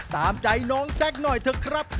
ตามใจน้องแจ๊คหน่อยเถอะครับ